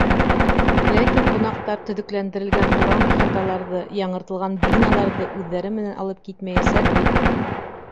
Ләкин ҡунаҡтар төҙөкләндерелгән урам-ихаталарҙы, яңыртылған биналарҙы үҙҙәре менән алып китмәйәсәк бит.